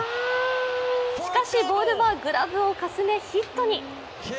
しかし、ボールはグラブをかすめヒットに。